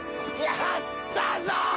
やったぞ！